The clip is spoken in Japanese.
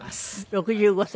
６５歳？